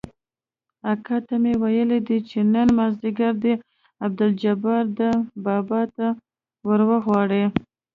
اکا ته مې ويلي دي چې نن مازديګر دې عبدالجبار ده بابا ته وروغواړي.